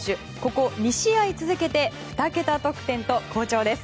ここ２試合続けて２桁得点と、好調です。